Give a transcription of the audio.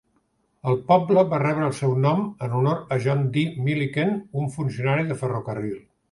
El poble va rebre el seu nom en honor a John D. Milliken, un funcionari de ferrocarril.